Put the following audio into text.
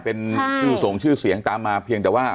เป็นชื่อส่งชื่อเสียงตามมาเพียงแต่ว่า